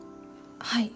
はい。